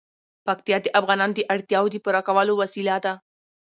پکتیا د افغانانو د اړتیاوو د پوره کولو وسیله ده.